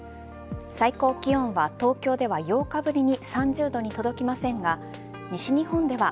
最高気温は、東京では８日ぶりに３０度に届きませんが西日本では